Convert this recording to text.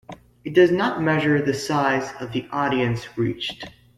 It does not measure the size of the audience reached.